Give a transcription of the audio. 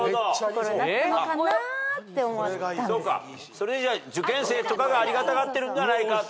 それじゃ受験生とかがありがたがってるんではないかと。